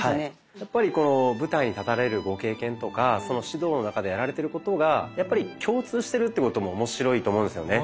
やっぱりこの舞台に立たれるご経験とか指導の中でやられてることがやっぱり共通してるということも面白いと思うんですよね。